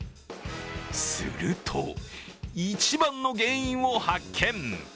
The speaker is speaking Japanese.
すると、一番の原因を発見。